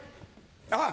あっ！